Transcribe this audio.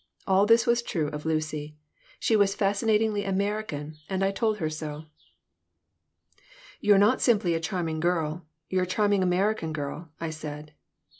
All this was true of Lucy. She was fascinatingly American, and I told her so "You're not simply a charming girl. You're a charming American girl," I said.